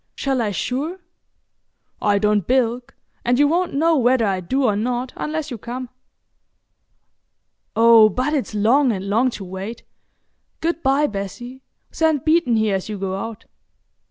"Shall I sure?" "I don't bilk, and you won't know whether I do or not unless you come. Oh, but it's long and long to wait! Good bye, Bessie,—send Beeton here as you go out."